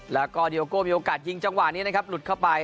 แล้วก็ดีโอโก้มีโอกาสยิงจังหวะนี้นะครับหลุดเข้าไป